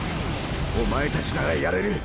お前たちならやれる。